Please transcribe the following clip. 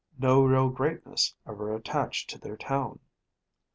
No real greatness ever attached to their town.